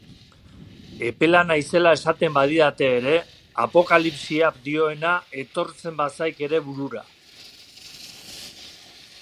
Epela naizela esaten badidate ere, Apokalipsiak dioena etortzen bazait ere burura.